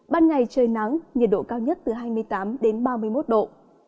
ban ngày trời nắng nhiệt độ cao nhất từ hai mươi tám đến ba mươi một độ